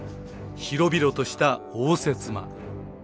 広々とした応接間。